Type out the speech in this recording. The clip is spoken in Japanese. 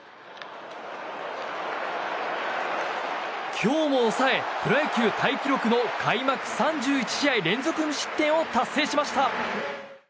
今日も抑え、プロ野球タイ記録の開幕３１試合連続無失点を達成しました。